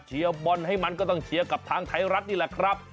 บอลให้มันก็ต้องเชียร์กับทางไทยรัฐนี่แหละครับ